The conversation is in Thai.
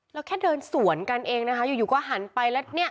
แล้วแค่เดินสวนกันเองนะคะอยู่ก็หันไปแล้วเนี่ย